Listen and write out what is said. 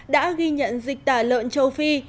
đã ghi nhận dịch tả lợn châu phi